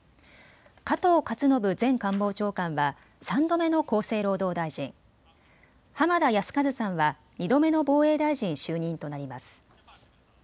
加藤勝信前官房長官は３度目の厚生労働大臣、浜田靖一さんは２度目の防衛大臣就任となります。